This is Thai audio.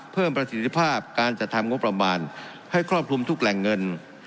ประสิทธิภาพการจัดทำงบประมาณให้ครอบคลุมทุกแหล่งเงิน